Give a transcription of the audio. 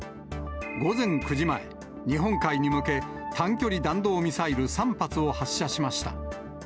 午前９時前、日本海に向け、短距離弾道ミサイル３発を発射しました。